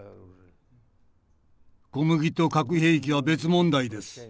「小麦と核兵器は別問題です」。